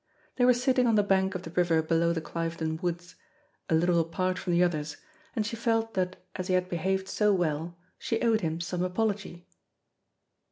They were sitting on the bank of the river below the Clivedon woods, a little apart from the others, and she felt that as he had behaved so well, she owed him some apology.